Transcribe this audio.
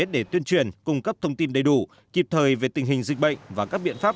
để tuyên truyền cung cấp thông tin đầy đủ kịp thời về tình hình dịch bệnh và các biện pháp